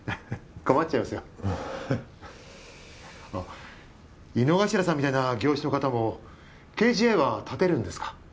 あっ井之頭さんみたいな業種の方もＫＧＩは立てるんですか？